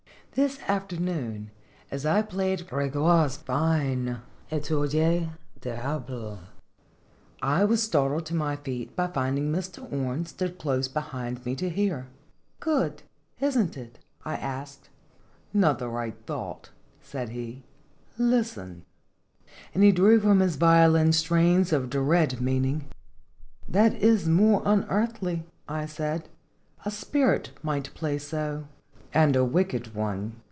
This afternoon, as I played Gr6goire's fine "Etude du Diable," I was startled to my feet by finding Mr. Orne stood close behind me to hear. 62 Singefc ifloiljs. ''Good, is n't it?" I asked. "Not the right thought," said he; "listen." And he drew from his violin strains of dread meaning. "That is more unearthly," I said; "a spirit might play so." "And a wicked one?"